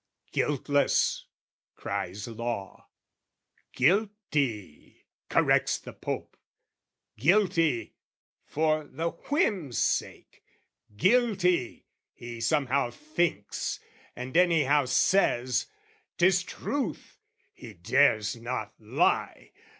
"Guiltless," cries Law "Guilty," corrects the Pope! "Guilty," for the whim's sake! "Guilty," he somehow thinks, And anyhow says: 'tis truth; he dares not lie!